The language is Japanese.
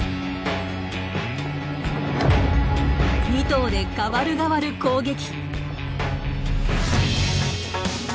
２頭で代わる代わる攻撃。